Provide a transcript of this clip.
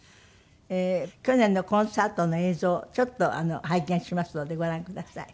去年のコンサートの映像をちょっと拝見しますのでご覧ください。